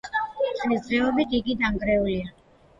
დღესდღეობით იგი დანგრეულია.